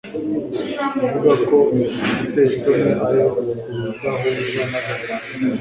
ivuga ko igiteye isoni ari ukudahuza na gato